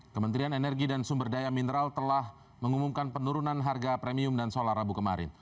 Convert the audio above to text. kementerian energi dan sumber daya mineral telah mengumumkan penurunan harga premium dan solar rabu kemarin